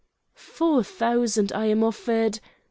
"Four thousand I am offered